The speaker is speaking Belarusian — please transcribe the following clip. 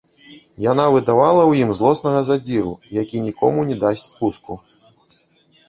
Яна выдавала ў ім злоснага задзіру, які нікому не дасць спуску.